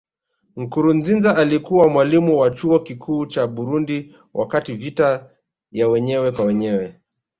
Nkurunziza alikuwa mwalimu wa Chuo Kikuu cha Burundi wakati vita ya wenyewe kwa wenyewe